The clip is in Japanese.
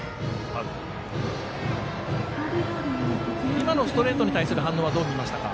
今のストレートに対する反応はどう見ますか？